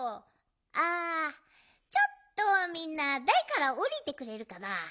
あちょっとみんなだいからおりてくれるかな？